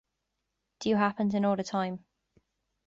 Do you happen to know the time?